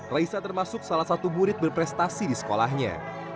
raisa termasuk salah satu murid berprestasi di sekolahnya